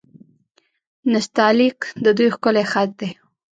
نستعلیق د دوی ښکلی خط دی.